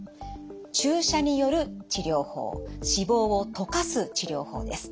注射による治療法脂肪を溶かす治療法です。